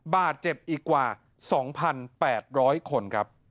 บาดเจ็บอีกกว่า๒๘๐๐คนครับ